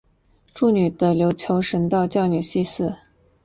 祝女的琉球神道教女祭司。